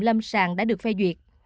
lâm sàng đã được phê duyệt